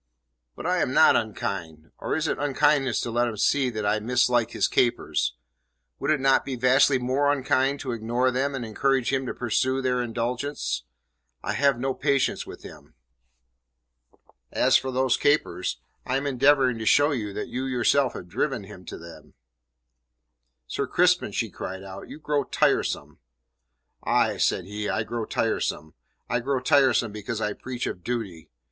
"But I am not unkind. Or is it unkindness to let him see that I mislike his capers? Would it not be vastly more unkind to ignore them and encourage him to pursue their indulgence? I have no patience with him." "As for those capers, I am endeavouring to show you that you yourself have driven him to them." "Sir Crispin," she cried out, "you grow tiresome." "Aye," said he, "I grow tiresome. I grow tiresome because I preach of duty.